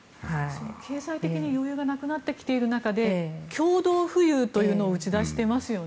経済的に余裕がなくなってきている中で共同富裕というのを打ち出していますよね。